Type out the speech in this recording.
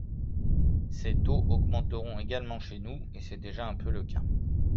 Ces taux augmenteront également chez nous, et c’est déjà un peu le cas.